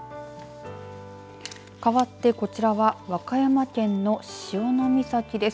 かわって、こちらは和歌山県の潮岬です。